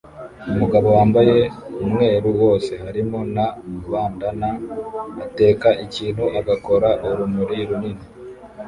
Umugabo wambaye umweru wose (harimo na bandanna) ateka ikintu agakora urumuri runini